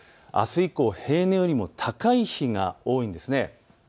あす以降平年よりも高い日が多いんです。